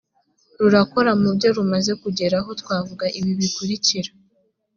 rurakora mu byo rumaze kugeraho twavuga ibi bikurikira